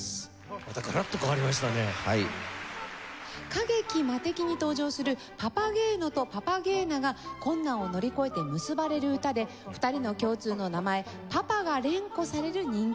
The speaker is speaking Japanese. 歌劇『魔笛』に登場するパパゲーノとパパゲーナが困難を乗り越えて結ばれる歌で２人の共通の名前「パパ」が連呼される人気曲です。